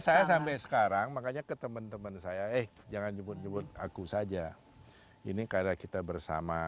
saya sampai sekarang makanya ketemu teman saya jalan input in nya buat aku saja ini karena kita bersama